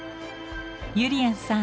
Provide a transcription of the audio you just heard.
ゆりやんさん